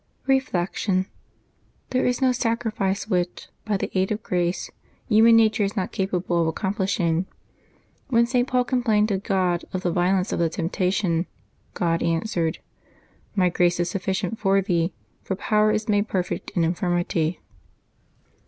Reflection. — There is no sacrifice which, by the aid of grace, human nature is not capable of accomplishing. When St. Paul complained to God of the violence of the temptation, God answered, '^ My grace is sufficient for thee, for power is made perfect in infirmity.''